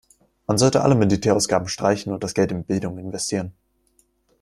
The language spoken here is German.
Man sollte alle Militärausgaben streichen und das Geld in Bildung investieren.